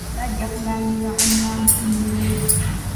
Bajja kulangirira omulambo ku muleeretu.